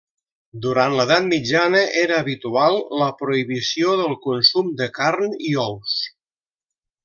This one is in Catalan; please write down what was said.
Durant l'edat mitjana era habitual la prohibició del consum de carn i ous.